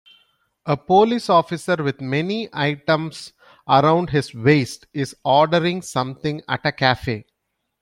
A police officer, with many items around his waist, is ordering something at a cafe.